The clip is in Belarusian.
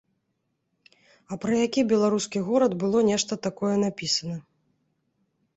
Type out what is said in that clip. А пра які беларускі горад было нешта такое напісана?